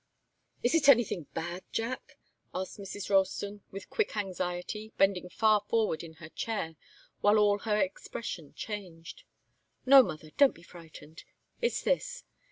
"Is it anything bad, Jack?" asked Mrs. Ralston, with quick anxiety, bending far forward in her chair, while all her expression changed. "No, mother don't be frightened. It's this.